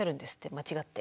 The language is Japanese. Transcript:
間違って。